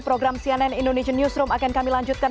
program cnn indonesian newsroom akan kami lanjutkan